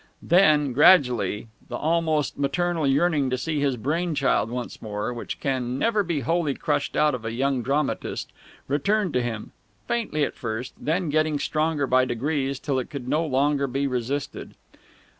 Then, gradually, the almost maternal yearning to see his brain child once more, which can never be wholly crushed out of a young dramatist, returned to him faintly at first, then getting stronger by degrees till it could no longer be resisted.